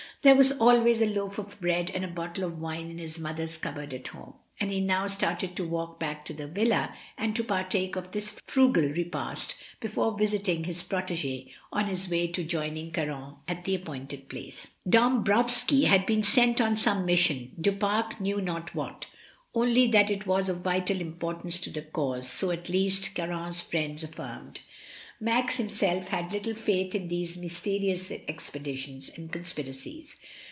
There was always a loaf of bread and a bottle of wine in his mother's cupboard at home, and he now started to walk back to the villa and to partake of this frugal repast before visiting his protigie on his way to joining Caron at the ap pointed place. Dombrowski had been sent on some mission — Du Pare knew not what, only that it was of vital importance to the cause, so, at least, Caron's friends affirmed. Max himself had little faith in these mysterious expeditions and conspiracies.